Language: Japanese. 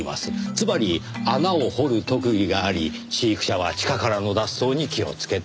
つまり穴を掘る特技があり飼育者は地下からの脱走に気をつけていた。